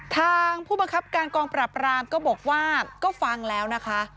ทางผู้บังคับการกองปราบรามก็บอกว่าก็ฟังแล้วนะคะ